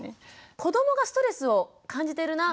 子どもがストレスを感じてるなあ